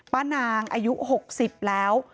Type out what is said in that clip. ป้านางอายุ๖๐แล้ว